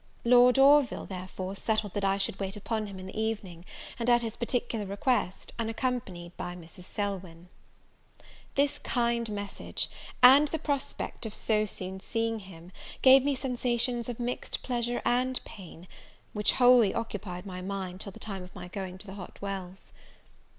Lord Orville, therefore, settled that I should wait upon him in the evening, and, at his particular request, unaccompanied by Mrs. Selwyn. This kind message, and the prospect of so soon seeing him, gave me sensations of mixed pleasure and pain, which wholly occupied my mind till the time of my going to the Hot Wells.